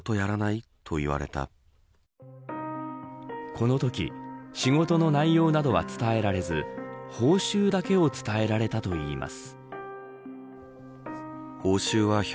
このとき仕事の内容などは伝えられず報酬だけを伝えられたといいます。